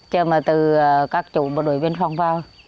chờ mà từ các chủ bộ đội biên phòng vào